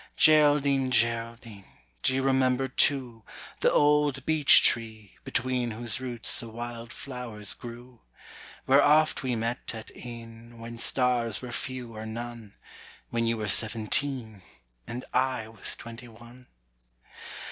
Geraldine, Geraldine, Do you remember too The old beech tree, between Whose roots the wild flowers grew? Where oft we met at e'en, When stars were few or none, When you were seventeen, And I was twenty one?